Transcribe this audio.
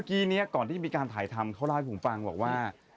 กี้นี้ก่อนที่จะมีการถ่ายทำเขาเล่าให้ผมฟังบอกว่า